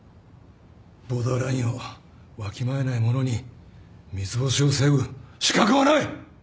ボーダーラインをわきまえない者に三ツ星を背負う資格はない！